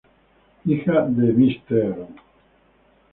Hija de Mr.